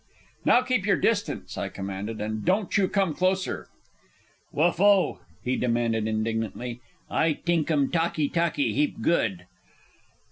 "Now keep your distance," I commanded, "and don't you come closer!" "Wha' fo'?" he demanded indignantly. "I t'ink um talkee talkee heap good."